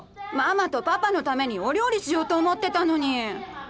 ママとパパのためにお料理しようと思ってたのに。